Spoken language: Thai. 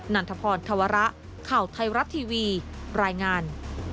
ันทพรธวระข่าวไทยรัฐทีวีรายงาน